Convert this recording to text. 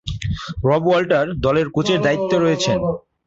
রব ওয়াল্টার দলের কোচের দায়িত্বে রয়েছেন।